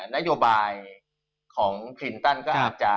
นโยบายของคลินตันก็อาจจะ